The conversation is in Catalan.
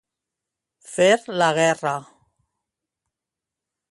Fer la guerra.